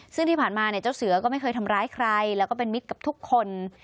ซึ่งที่ผ่านมาเนี่ยเจ้าเสือก็ไม่เคยทำร้ายใครแล้วก็เป็นมิตรกับทุกคน